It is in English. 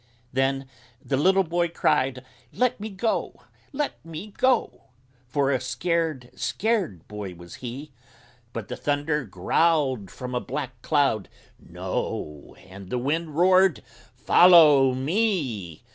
Then the little boy cried: "Let me go let me go!" For a scared scared boy was he! But the Thunder growled from a black cloud: "No!" And the Wind roared: "Follow me!"